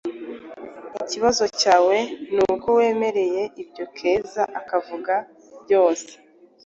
Ikibazo cyawe nuko wemera ibyo Keza avuga byose.